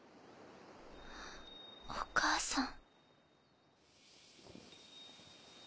お母さん。